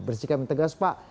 bersikap yang tegas pak